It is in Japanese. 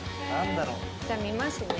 じゃあ見ますね。